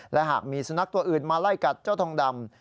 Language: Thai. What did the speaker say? และหากมีสุนัขตัวอื่นมาไล่กัดเจ้าทองดำ